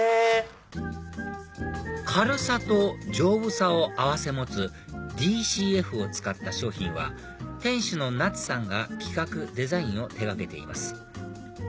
軽さと丈夫さを併せ持つＤＣＦを使った商品は店主のｎａｔｓさんが企画・デザインを手掛けています